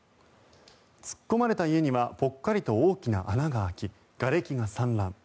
突っ込まれた家にはぽっかりと大きな穴が開きがれきが散乱。